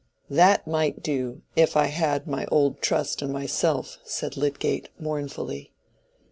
"That might do if I had my old trust in myself," said Lydgate, mournfully.